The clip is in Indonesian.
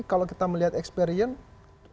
kalau kita melihat experience